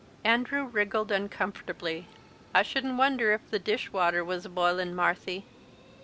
Andrew wriggled uncomfortably. "I shouldn't wonder if the dish water was a b'ilin', Marthy."